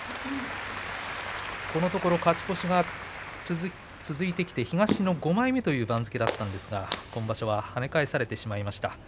このところ勝ち越しが続いてきて東の５枚目という番付だったんですが今場所ははね返されてしまいました。